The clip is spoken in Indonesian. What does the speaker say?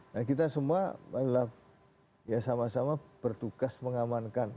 nah kita semua adalah ya sama sama bertugas mengamankan